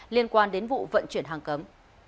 liên quan đến vụ vận chuyển hàng cấm